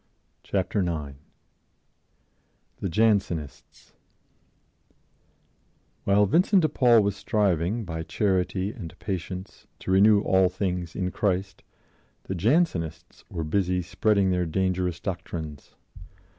Chapter 9 THE JANSENISTS WHILE Vincent de Paul was striving, by charity and patience, to renew all things in Christ, the Jansenists* were busy spreading their dangerous doctrines.